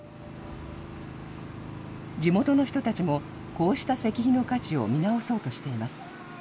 地元の人たちもこうした石碑の価値を見直そうとしています。